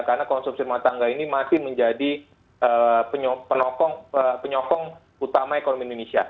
karena konsumsi rumah tangga ini masih menjadi penyokong utama ekonomi indonesia